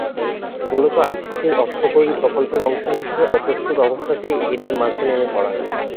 মূলত আইসিসির অর্থকরী প্রকল্পের অংশ হিসেবে অপ্রস্তুত অবস্থাতেই এটির মাঠে নেমে পড়া।